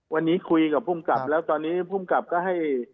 วันนี้คุยกับภูมิกับแล้วตอนนี้ภูมิกับก็ให้